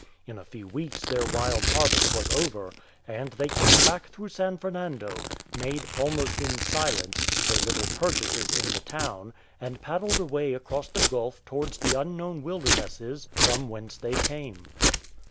In a few weeks their wild harvest was over, and they came back through San Fernando ; made, almost in silence, their little purchases in the town, and paddled away across the Gulf towards the unknown wilder nesses from whence they came.